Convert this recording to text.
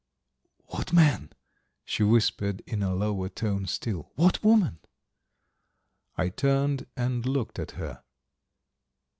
"What man?" she whispered, and in a lower tone still, "What woman?" I turned and looked at her.